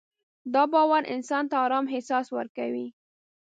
دا باور انسان ته ارام احساس ورکوي.